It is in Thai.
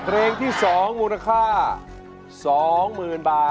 ร้องได้ร้องได้ร้องได้ร้องได้